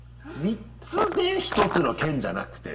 ３つで１つの県じゃなくて？